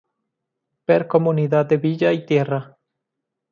Ver Comunidad de villa y tierra.